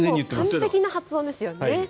完璧な発音ですよね。